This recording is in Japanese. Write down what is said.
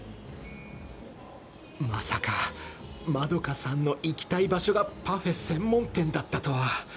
まさかまどかさんの行きたい場所がパフェ専門店だったとは